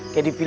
kayak di video